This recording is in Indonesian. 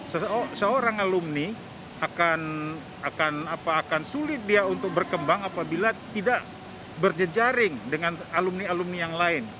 seseorang alumni akan sulit dia untuk berkembang apabila tidak berjejaring dengan alumni alumni yang lain